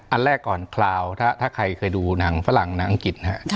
อันแรกก่อนคราวถ้าใครเคยดูหนังฝรั่งหนังอังกฤษนะครับ